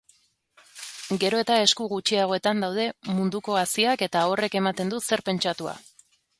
Gero eta esku gutxiagoetan daude munduko haziak eta horrek ematen du zer pentsatua.